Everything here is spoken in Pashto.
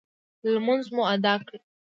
لمونځ مو اداء کړ.